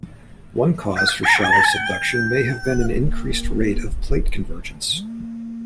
One cause for shallow subduction may have been an increased rate of plate convergence.